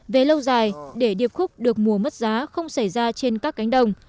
về lâu dài để điệp khúc được mùa mất giá không xảy ra trên các cánh đồng